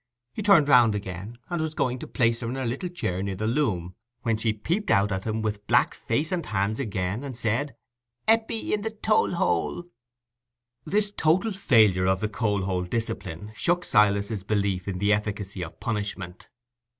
He turned round again, and was going to place her in her little chair near the loom, when she peeped out at him with black face and hands again, and said, "Eppie in de toal hole!" This total failure of the coal hole discipline shook Silas's belief in the efficacy of punishment.